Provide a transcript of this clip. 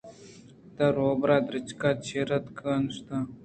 پدا روباہ درٛچک ءِ چیرا اتک ءُ نشت